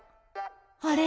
あれ？